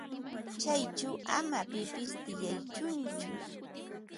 Chayćhu ama pipis tiyachunchu.